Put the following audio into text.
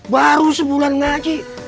baru sebulan lagi